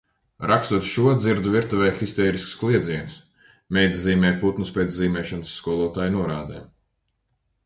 Rakstot šo, dzirdu virtuvē histēriskus kliedzienus. Meita zīmē putnus pēc zīmēšanas skolotāja norādēm.